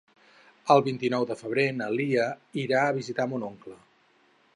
El vint-i-nou de febrer na Lia irà a visitar mon oncle.